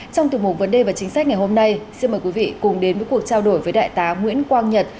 trong tiềm mục vấn đề và chính sách ngày hôm nay xin mời quý vị cùng đến với cuộc trao đổi với đại tá nguyễn quang nhật